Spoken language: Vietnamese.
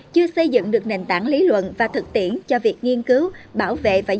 chưa xây dựng được nền tảng lý luận và thực tiễn cho việc nghiên cứu bảo vệ và